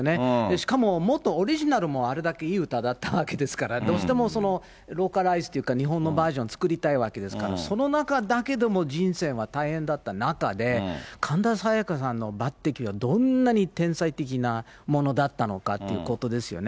しかも元オリジナルもあれだけいい歌だったわけですから、どうしてもローカライズっていうか、日本のバージョン作りたいわけですから、その中だけでも人選が大変だった中で、神田沙也加さんの抜てきはどんなに天才的なものだったのかっていうことですよね。